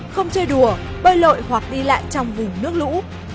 không chơi đùa bơi lội hoặc đi lại trong vùng nước lũ